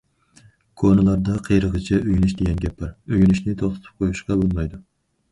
كونىلاردا قېرىغىچە ئۆگىنىش دېگەن گەپ بار، ئۆگىنىشنى توختىتىپ قويۇشقا بولمايدۇ.